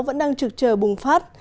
vẫn đang trực chờ bùng phát